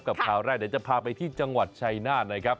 กับข้าวแรกเดี๋ยวจะพาไปที่จังหวัดชัยนาธ